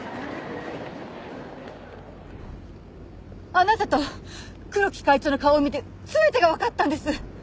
あなたと黒木会長の顔を見て全てがわかったんです。